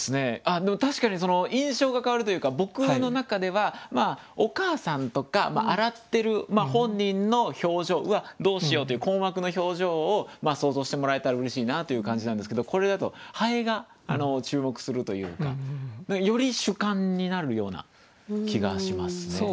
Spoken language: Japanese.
でも確かに印象が変わるというか僕の中ではお母さんとか洗ってる本人の表情うわどうしようという困惑の表情を想像してもらえたらうれしいなという感じなんですけどこれだと蠅が注目するというかより主観になるような気がしますね。